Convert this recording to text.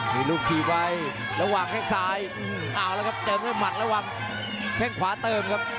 มีรูปมีบายระหว่างแค่งซ้ายเอาละครับเจอมได้หมาตระหว่างแค่งขวาเเติมครับ